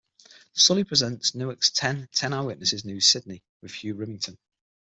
Sully presents Network Ten's "Ten Eyewitness News Sydney" with Hugh Riminton.